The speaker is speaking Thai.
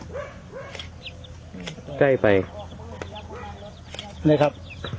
นี่ครับ